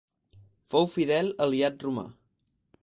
Fou fidel aliat romà.